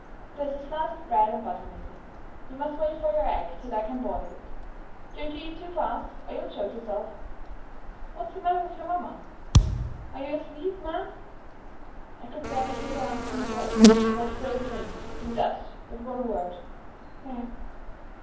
"There's a slice of bread and butter, missy. You must wait for your egg till I can boil it. Don't you eat too fast, or you'll choke yourself. What's the matter with your mamma? Are you asleep, ma'am?" I could barely hear the answering voice it was so faint; and it uttered but one word: "No!"